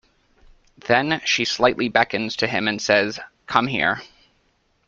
Then she slightly beckons to him and says, "Come here!"